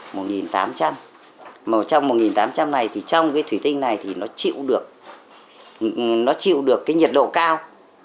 màu trong một tám trăm linh này thì trong cái thủy tinh này thì nó chịu được nó chịu được cái nhiệt độ cao